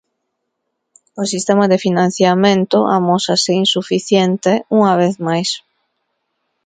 O sistema de financiamento amósase insuficiente unha vez máis.